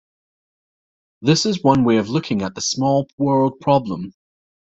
This is one way of looking at the small world problem.